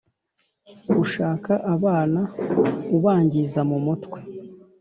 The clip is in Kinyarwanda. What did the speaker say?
ushuka abana ubangiza mumutwe